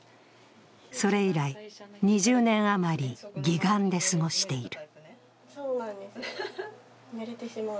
それ以来、２０年余り、義眼で過ごしている。